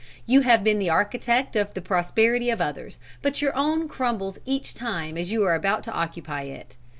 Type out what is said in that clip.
You have been the architect of the prosperity of others, but your own crumbles each time as you are about to occupy it.